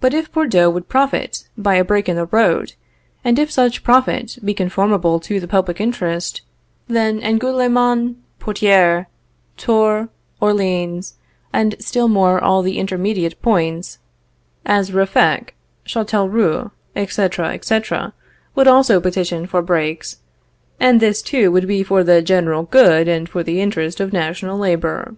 But if Bordeaux would profit by a break in the road, and if such profit be conformable to the public interest, then Angoulème, Poictiers, Tours, Orleans, and still more all the intermediate points, as Ruffec, Châtellerault, etc., etc., would also petition for breaks; and this too would be for the general good and for the interest of national labor.